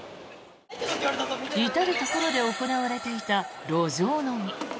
至るところで行われていた路上飲み。